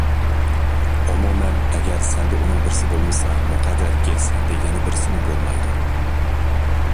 ئومۇمەن، ئەگەر سەندە ئۇنىڭ بىرسى بولمىسا، مۇقەررەركى سەندە يەنە بىرسىمۇ بولمايدۇ.